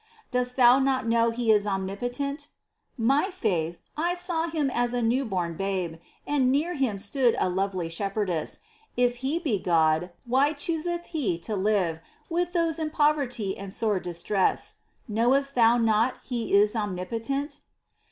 Dost thou not know He is omnipotent ? 46 MINOR WORKS OF ST. TERESA. — My faith ! I saw Him as a new born Babe, And near Him stood a lovely Shepherdess ! If He be God, why chooseth He to live With those in poverty and sore distress ?— Knowest thou not He is omnipotent